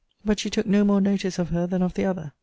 But she took no more notice of her than of the other.